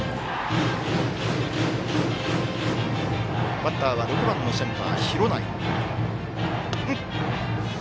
バッター、６番のセンターの廣内。